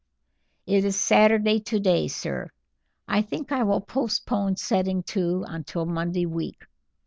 "It is Saturday today, sir. I think I will postpone setting to until Monday week.